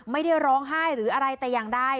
ไม่ได้ร้องไห้หรืออะไรแต่อย่างใด